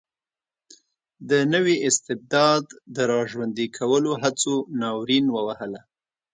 د نوي استبداد د را ژوندي کولو هڅو ناورین ووهله.